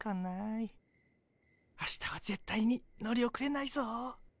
明日はぜったいに乗り遅れないぞ。